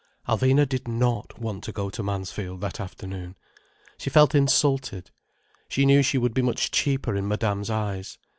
Alvina did not want to go to Mansfield that afternoon. She felt insulted. She knew she would be much cheaper in Madame's eyes.